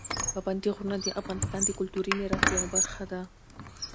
پابندي غرونه د افغانستان د کلتوري میراث یوه برخه ده.